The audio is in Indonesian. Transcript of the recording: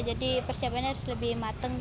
jadi persiapannya harus lebih mateng